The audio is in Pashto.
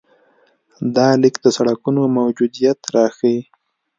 دا لیک د سړکونو موجودیت راښيي.